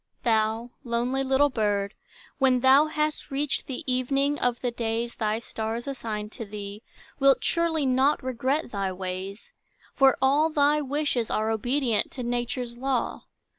Thou, lonely little bird, when thou Hast reached the evening of the days Thy stars assign to thee, Wilt surely not regret thy ways; For all thy wishes are Obedient to Nature's law.